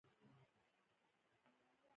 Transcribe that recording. په همواره ساحه کې عرض دواړو خواوو ته زیاتیږي